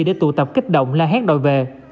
để tụ tập kích động la hét đòi về